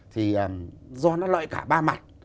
thì do nó lợi cả ba mặt